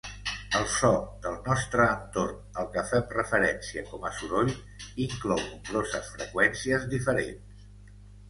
El so del nostre entorn al que fem referència com a "soroll" inclou nombroses freqüències diferents.